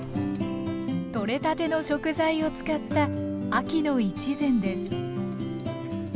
取れたての食材を使った秋の一膳です